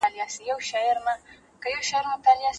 آیا په پوستکي باندې د سرو دانو راختل خطرناک دي؟